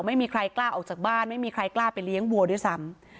ไม่มีใครกล้าออกจากบ้านไม่มีใครกล้าไปเลี้ยงวัวด้วยซ้ำ